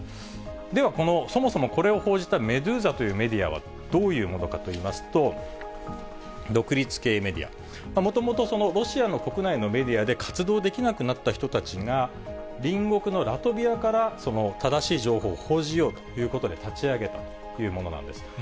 ではこの、そもそもこれを報じたメドューザというメディアはどういうものかといいますと、独立系メディア、もともとロシアで活動できなくなった人たちが、隣国のラトビアから正しい情報を報じようということで立ち上げたというものなんです。